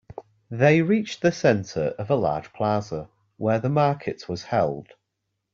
They reached the center of a large plaza where the market was held.